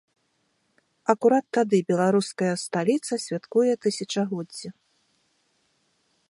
Акурат тады беларуская сталіца святкуе тысячагоддзе.